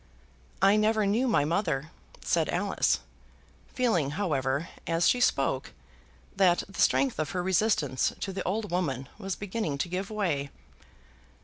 "I never knew my mother," said Alice, feeling, however, as she spoke, that the strength of her resistance to the old woman was beginning to give way.